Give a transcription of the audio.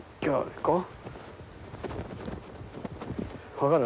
分かる？